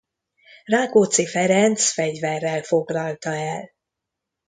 Rákóczi Ferenc fegyverrel foglalta el.